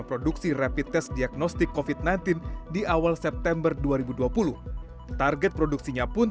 produksi rapid test diagnostik covid sembilan belas di awal september dua ribu dua puluh target produksinya pun